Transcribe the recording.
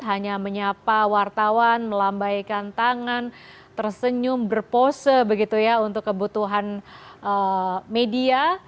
hanya menyapa wartawan melambaikan tangan tersenyum berpose begitu ya untuk kebutuhan media